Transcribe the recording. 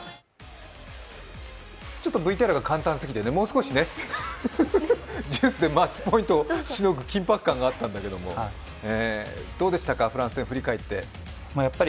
ちょっとＶＴＲが簡単すぎて、もう少しね、デュースでマッチポイントをしのぐ緊迫感があったんだけれどもフランス戦振り返ってどうですか？